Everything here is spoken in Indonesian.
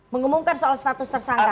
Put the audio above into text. mengumumkan soal status tersangka